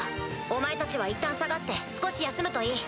お前たちはいったん下がって少し休むといい。